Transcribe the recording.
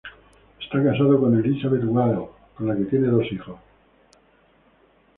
Está casado con Elizabeth Waddell con la que tiene dos hijos.